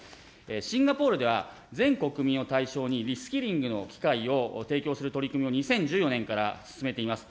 シンガポールでは全国民を対象に、リスキリングの機会を提供する取り組みを２０１４年から進めています。